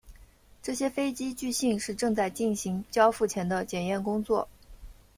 这些飞机据信是正在进行交付前的检验工作。